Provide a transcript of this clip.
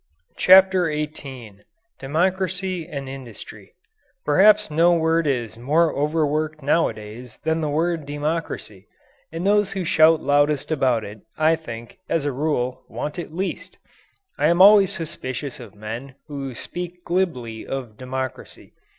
CHAPTER XVIII DEMOCRACY AND INDUSTRY Perhaps no word is more overworked nowadays than the word "democracy," and those who shout loudest about it, I think, as a rule, want it least. I am always suspicious of men who speak glibly of democracy.